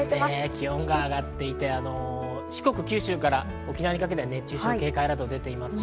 気温が上がっていて四国、九州から沖縄にかけて熱中症警戒アラートが出ています。